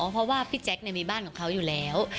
เพราะว่าพี่แจ๊คมีบ้านของเขาอยู่แล้ว